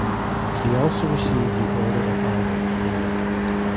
He also received the Order of Albert the Bear.